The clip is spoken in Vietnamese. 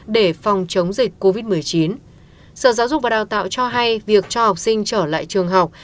để phòng chống dịch covid một mươi chín sở giáo dục và đào tạo cho hay việc cho học sinh trở lại trường học